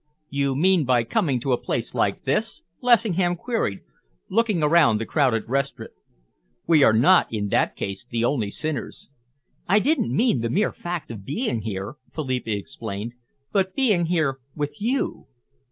"You mean by coming to a place like this?" Lessingham queried, looking around the crowded restaurant. "We are not, in that case, the only sinners." "I didn't mean the mere fact of being here," Philippa explained, "but being here with you."